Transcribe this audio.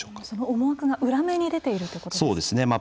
その思惑が裏目に出ているということですか。